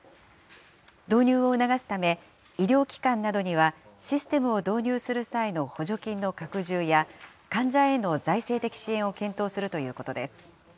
導入を促すため、医療機関などにはシステムを導入する際の補助金の拡充や、患者への財政的支援を検討するということです。